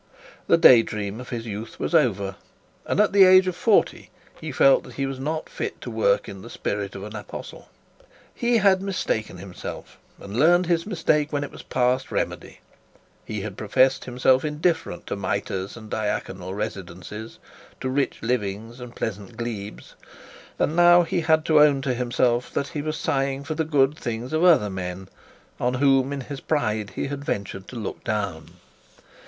The daydream of his youth was over, and at the age of forty he felt that he was not fit to work in the spirit of an apostle. He had mistaken himself, and learned his mistake when it was past remedy. He had professed himself indifferent to mitres and diaconal residences, to rich livings and pleasant glebes, and now he had to own to himself that he was sighing for the good things of other men, on whom in his pride he had ventured to look down.